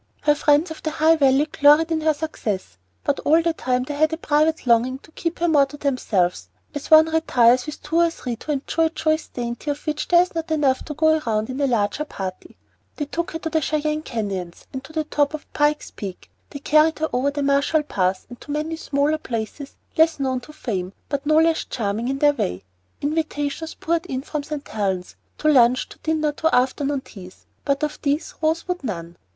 Her friends of the High Valley gloried in her success; but all the time they had a private longing to keep her more to themselves, as one retires with two or three to enjoy a choice dainty of which there is not enough to go round in a larger company. They took her to the Cheyenne Canyons and the top of Pike's Peak; they carried her over the Marshall Pass and to many smaller places less known to fame, but no less charming in their way. Invitations poured in from St. Helen's, to lunch, to dinner, to afternoon teas; but of these Rose would none.